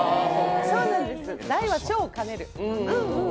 大は小を兼ねる。